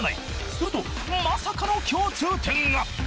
［するとまさかの共通点が］